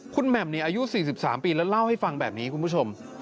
คุณแหม่มอายุ๔๓ปีแล้วเล่าให้ฟังแบบนี้คุณผู้ชม